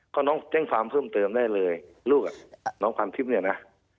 ก็น้องแจ้งความเพิ่มเติมได้เลยลูกอ่ะน้องความทิพย์เนี่ยนะ